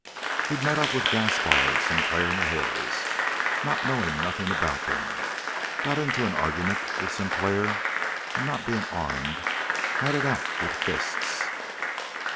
He'd met up with Gaspar and Sinclair in the hills, not knowing nothing about them. Got into an argument with Sinclair, and, not being armed, he had it out with fists.